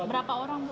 berapa orang bu